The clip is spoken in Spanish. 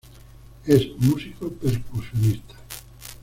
Es músico percusionista.